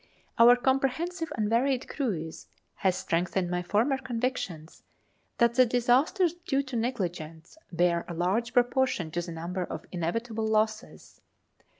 Our comprehensive and varied cruise has strengthened my former convictions that the disasters due to negligence bear a large proportion to the number of inevitable losses.